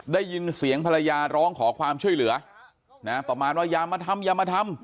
ได้ยินเสียงภรรยาร้องขอความช่วยเหลือนะประมาณว่าอย่ามาทำอย่ามาทำ